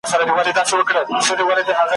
اور ته خپل او پردی یو دی `